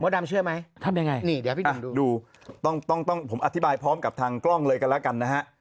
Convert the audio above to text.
ดำเชื่อไหมทำยังไงนี่เดี๋ยวพี่ดำดูต้องต้องผมอธิบายพร้อมกับทางกล้องเลยกันแล้วกันนะฮะ